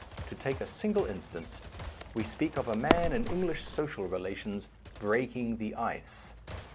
To take a single instance : we speak of a man in English social rela tions breaking the ice."